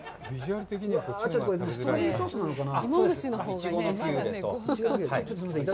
ストロベリーソースなのかな？